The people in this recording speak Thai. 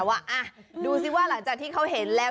ว่าดูสิว่าหลังจากที่เขาเห็นแล้ว